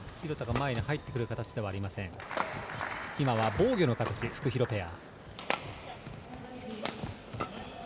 防御の形フクヒロペア。